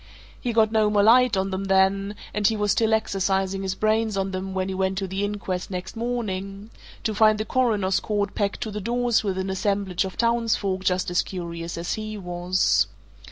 He got no more light on them then, and he was still exercising his brains on them when he went to the inquest next morning to find the Coroner's court packed to the doors with an assemblage of townsfolk just as curious as he was.